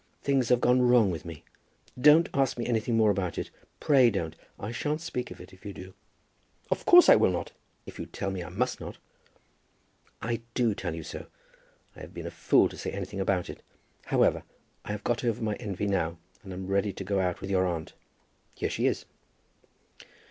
"Things have gone wrong with me. Don't ask me anything more about it. Pray don't. I shan't speak of it if you do." "Of course I will not if you tell me I must not." "I do tell you so. I have been a fool to say anything about it. However, I have got over my envy now, and am ready to go out with your aunt. Here she is."